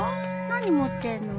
何持ってんの？